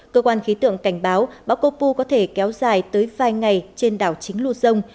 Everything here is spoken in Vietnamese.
cơ quan khí tượng cảnh báo bão copu có thể kéo dài tới vài ngày trên đảo chính luzon